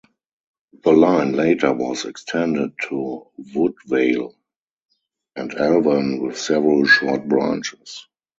The line later was extended to Woodvale and Alvan, with several short branches.